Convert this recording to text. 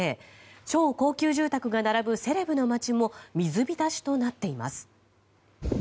超高級住宅が並ぶセレブの街も水浸しとなっています。